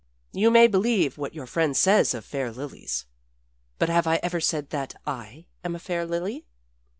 You may believe what your friend says of fair lilies. But have I ever said that I am a fair lily?